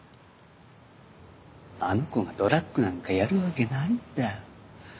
あの子がドラッグなんかやるわけないんだ。